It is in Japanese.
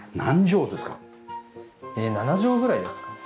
７畳ぐらいですかね。